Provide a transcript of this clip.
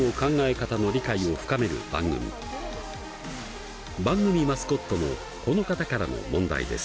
番組マスコットのこの方からの問題です！